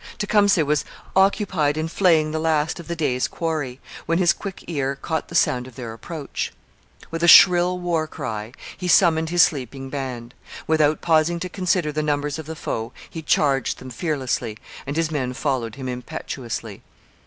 Tecumseh was occupied in flaying the last of the day's quarry, when his quick ear caught the sound of their approach. With a shrill war cry he summoned his sleeping band. Without pausing to consider the numbers of the foe, he charged them fearlessly and his men followed him impetuously.